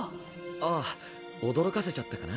ああ驚かせちゃったかな？